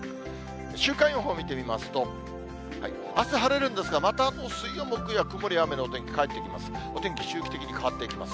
週間予報見てみますと、あす、晴れるんですが、また水曜、木曜は曇りや雨のお天気、帰ってきます。